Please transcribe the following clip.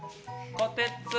こてつー！